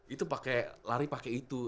itu pakai lari pakai itu